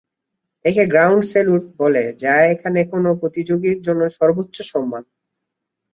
একে "grand salute" বলে যা এখানে কোন প্রতিযোগীর জন্য সর্বোচ্চ সম্মান।